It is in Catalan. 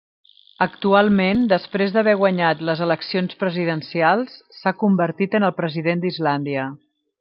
Actualment després d'haver guanyat les Eleccions Presidencials, s'ha convertit en el President d'Islàndia.